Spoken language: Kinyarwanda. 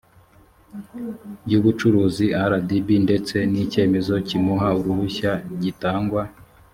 by ubucuruzi rdb ndetse n icyemezo kimuha uruhushya gitangwa